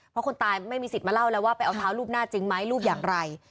เพราะคนตายไม่มีสิทธิ์มาเล่าแล้วว่าไปเอาเท้ารูปหน้าจริงไหมรูปอย่างไร